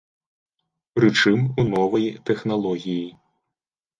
Прычым у новай тэхналогіі.